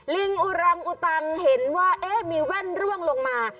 ลิงอุรังอุตังเห็นว่าเอ๊ะมีแว่นร่วงลงมา